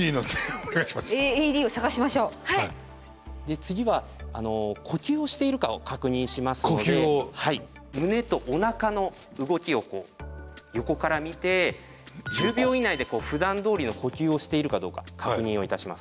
次は呼吸をしているかを確認しますので胸とお腹の動きを横から見て１０秒以内でふだんどおりの呼吸をしているかどうか確認をいたします。